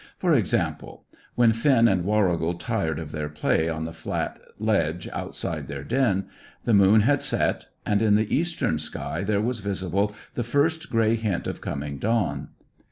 For example When Finn and Warrigal tired of their play on the flat ledge outside their den, the moon had set, and in the eastern sky there was visible the first grey hint of coming dawn.